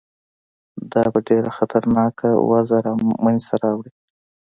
دا به ډېره خطرناکه وضع منځته راوړي.